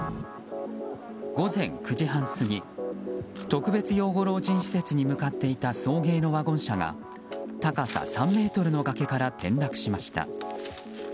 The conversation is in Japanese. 午前９時半過ぎ特別養護老人施設に向かっていた送迎のワゴン車が高さ３ｍの崖から転落しました。